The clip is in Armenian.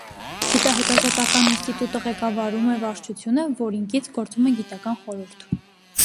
Գիտահետազոտական ինստիտուտը ղեկավարում է վարչությունը, որին կից գործում է գիտական խորհուրդ։